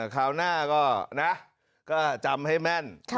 คราวหน้าก็นะก็จำให้แม่น